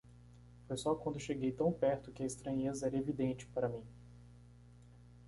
Foi só quando cheguei tão perto que a estranheza era evidente para mim.